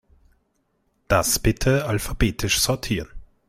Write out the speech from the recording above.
Das bitte alphabetisch sortieren.